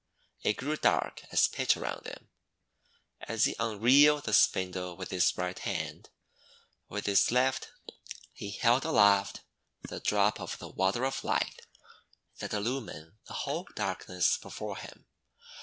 It grew dark as pitch around him. As he un THE WATER OF LIGHT 263 reeled the spindle with his right hand, with his left he held aloft the Drop of the Water of Light that illumined the whole darkness before him.